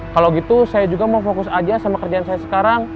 kalau gitu saya juga mau fokus aja sama kerjaan saya sekarang